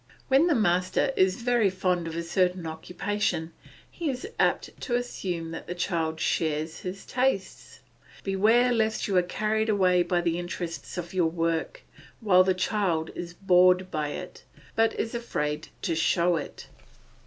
When the master is very fond of certain occupations, he is apt to assume that the child shares his tastes; beware lest you are carried away by the interest of your work, while the child is bored by it, but is afraid to show it.